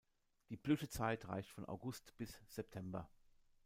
Die Blütezeit reicht von August bis September.